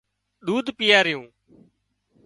ۮوڌ پيائريون